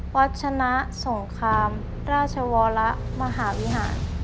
วัดชนะสงครามราชวรมหาวิหาร